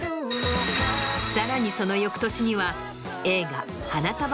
さらにその翌年には映画。